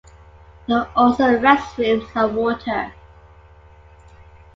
There are also restrooms and water.